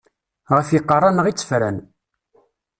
Ɣef yiqerra-nneɣ i tt-fran.